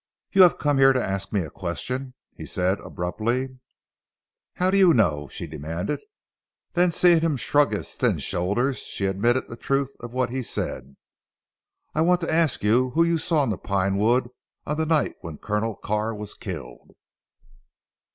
You have come here to ask me a question?" he said abruptly. "How do you know that?" she demanded, then seeing him shrug his thin shoulders, she admitted the truth of what he said. "I want to ask you who you saw in the Pine wood on the night when Colonel Carr was killed?"